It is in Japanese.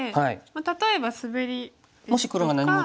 例えばスベリですとか。